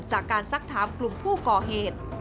จากการซักถามกลุ่มผู้ก่อเหตุ